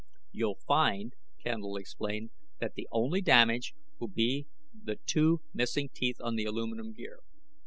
"You'll find," Candle explained, "that the only damage will be the two missing teeth on the aluminum gear.